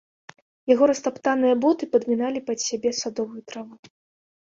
Яго растаптаныя боты падміналі пад сябе садовую траву.